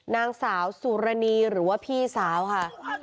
นางสาวสุรณีหรือว่าพี่สาวค่ะ